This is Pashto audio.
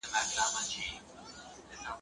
o درياب که لوى دئ، چمچۍ دي خپله ده.